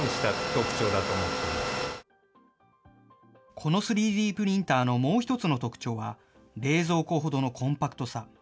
この３Ｄプリンターのもう一つの特徴は冷蔵庫ほどのコンパクトさ。